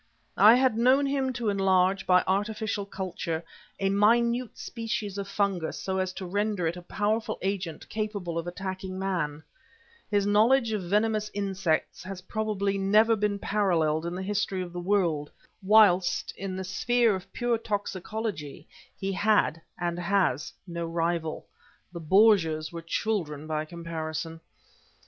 I had known him to enlarge, by artificial culture, a minute species of fungus so as to render it a powerful agent capable of attacking man; his knowledge of venomous insects has probably never been paralleled in the history of the world; whilst, in the sphere of pure toxicology, he had, and has, no rival; the Borgias were children by comparison.